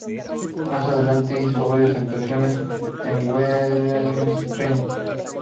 Más adelante hizo varias actuaciones en westerns.